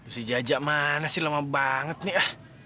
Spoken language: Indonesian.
tuh si jajak mana sih lama banget nih